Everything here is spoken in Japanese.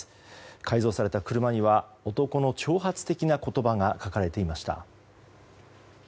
改造された車には男の挑発的な言葉が書かれていました。